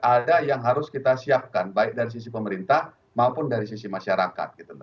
ada yang harus kita siapkan baik dari sisi pemerintah maupun dari sisi masyarakat